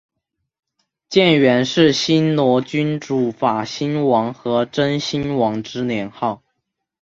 建元是新罗君主法兴王和真兴王之年号。